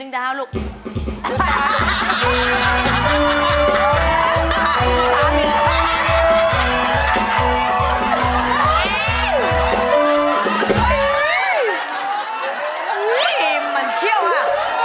เฮ้ยมันเชี่ยวอ่ะ